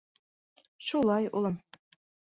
Шулай, улым.